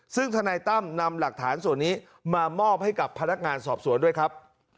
ซึ่งธนายตั้มนำหลักฐานส่วนนี้มามอบให้กับพนักงานสอบสวนด้วยครับ